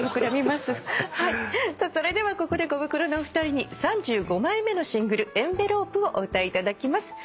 それではここでコブクロのお二人に３５枚目のシングル『エンベロープ』をお歌いいただきます。